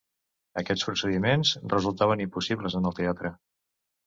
Aquests procediments resultaven impossibles en el teatre.